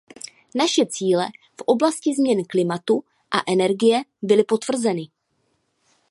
Naše cíle v oblasti změn klimatu a energie byly potvrzeny.